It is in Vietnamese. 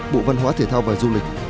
bộ văn hóa thể thao và du lịch